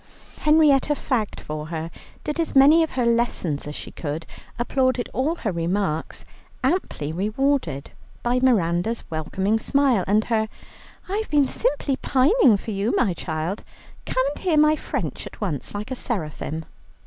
Henrietta fagged for her, did as many of her lessons as she could, applauded all her remarks, amply rewarded by Miranda's welcoming smile and her, "I've been simply pining for you, my child; come and hear me my French at once, like a seraphim."